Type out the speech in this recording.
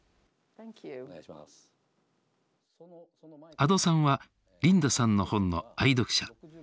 阿戸さんはリンダさんの本の愛読者。